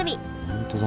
本当だ。